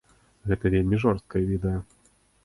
Гэта вельмі жорсткае відэа.